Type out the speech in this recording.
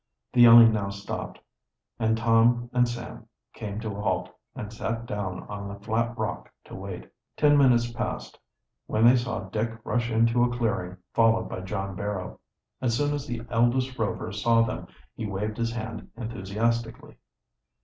The yelling now stopped, and Tom and Sam came to a halt and sat down on a flat rock to wait. Ten minutes passed, when they saw Dick rush into a clearing, followed by John Barrow. As soon as the eldest Rover saw them he waved his hand enthusiastically.